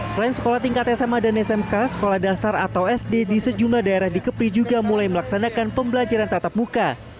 selain sekolah tingkat sma dan smk sekolah dasar atau sd di sejumlah daerah di kepri juga mulai melaksanakan pembelajaran tatap muka